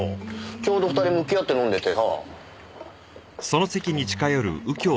ちょうど２人向き合って飲んでてさ。